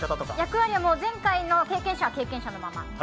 前回の経験者は経験者のまま。